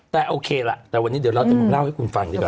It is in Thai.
แต่โอเคล่ะแต่วันนี้เดี๋ยวเราจะมาเล่าให้คุณฟังดีกว่า